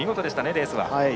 レースは。